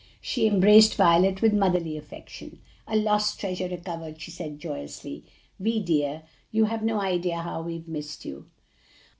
She embraced Violet with motherly affection. "A lost treasure recovered!" she said joyously. "Vi, dear, you have no idea how we have missed you."